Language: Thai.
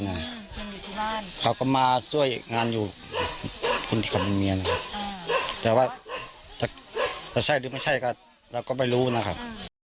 แต่ว่าใช่หรือไม่ใช่เราก็ไม่รู้นะครับ